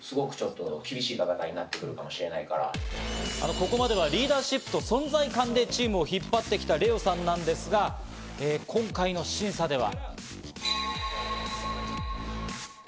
ここまではリーダーシップと存在感でチームを引っ張ってきたレオさんなんですが、今回の審査では。